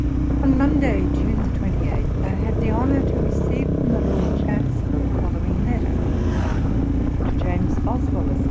On Monday, June 28, I had the honour to receive from the Lord Chancellor the following letter: 'TO JAMES BOSWELL, ESQ.